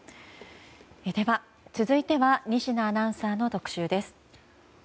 では、続いては仁科アナウンサーの特集です。